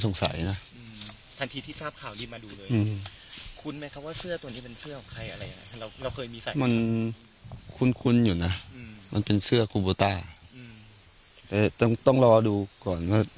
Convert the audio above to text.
มันคุ้นคุ้นอยู่นะมันเป็นเสื้อครูโบต้าแต่ต้องรอดูก่อน